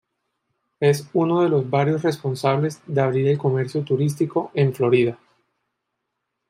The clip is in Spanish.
Es uno de los varios responsables de abrir el comercio turístico en Florida.